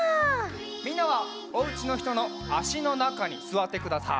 みんなはおうちのひとのあしのなかにすわってください。